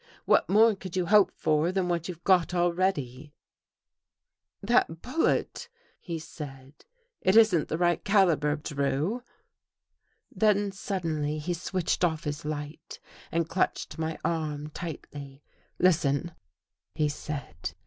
What more could you hope for than what you've got already? " 226 THE HOUSEBREAKERS " That bullet/' he said. " It isn't the right cali ber, Drew." Then suddenly he switched off his light and clutched my arm tightly. " Listen !" he said.